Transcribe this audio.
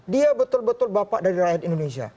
dia betul betul bapak dari rakyat indonesia